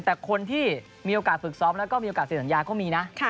แต่คนที่มีโอกาสฝึกซ้อมแล้วก็มีโอกาสเสร็จสัญญาก็มีนะ